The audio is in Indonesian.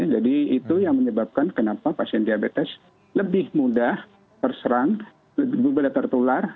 jadi itu yang menyebabkan kenapa pasien diabetes lebih mudah terserang lebih mudah tertular